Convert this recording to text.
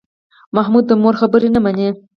محمود د مور خبرې نه مني.